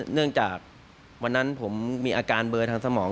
จากวันนั้นผมมีอาการเบอร์ทางสมอง